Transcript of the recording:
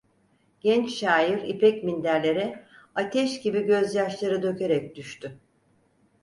Genç şair ipek minderlere ateş gibi gözyaşları dökerek düştü.